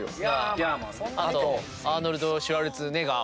アーノルド・シュワルツェネッガー。